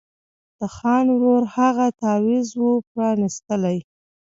د خان ورور هغه تعویذ وو پرانیستلی